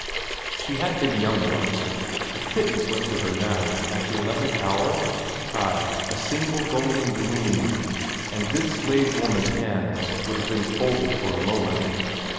She had been young once. A pittance left to her now, at the eleventh hour? Ay, a single golden gleam, and this slave woman's hands would have been folded for a moment.